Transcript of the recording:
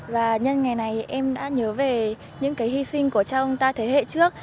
và nhân ngày này em đã nhớ về những cái hy sinh của cha ông ta thế hệ trước